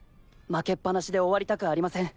負けっぱなしで終わりたくありません。